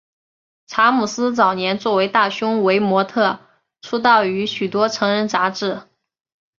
查姆斯早年作为大胸围模特出道于许多成人杂志。